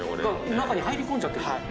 中に入り込んじゃってる。